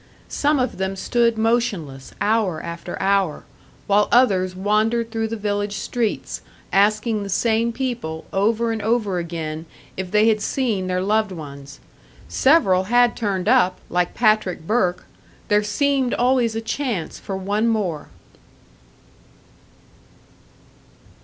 Some of them stood motionless, hour after hour, while others wandered through the village streets, asking the same people, over and over again, if they had seen their loved ones. Several had turned up, like Patrick Burke; there seemed always a chance for one more.